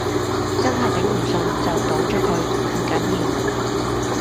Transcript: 真係頂唔順就倒咗佢，唔緊要